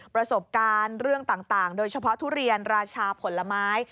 ประสบการณ์เรื่องต่างโดยเฉพาะทุเรียนราชาผลไม้